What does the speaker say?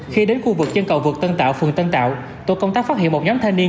khi đến khu vực chân cầu vượt tân tạo phường tân tạo tổ công tác phát hiện một nhóm thanh niên